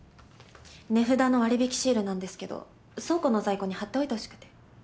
値札の割引シールなんですけど倉庫の在庫に貼っておいてほしくて。